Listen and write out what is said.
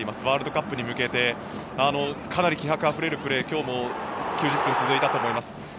ワールドカップに向けてかなり気迫あふれるプレーが今日も９０分続いたと思います。